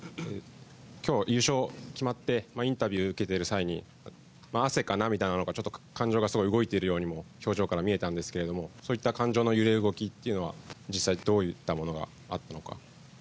今日、優勝決まってインタビューを受けている際に汗か涙なのか感情が動いているようにも表情から見えたんですけどもそういった感情の揺れ動きというのは実際、どういったものがあったのか。